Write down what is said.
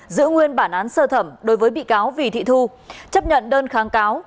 giữ nguyên bản án sơ thẩm đối với bị cáo vì thị thu chấp nhận đơn kháng cáo